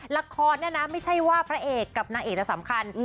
ละครเนี่ยนะไม่ใช่ว่าพระเอกกับนางเอกจะสำคัญ